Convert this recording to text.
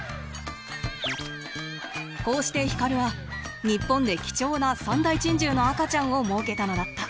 こうしてヒカルは日本で貴重な三大珍獣の赤ちゃんをもうけたのだった。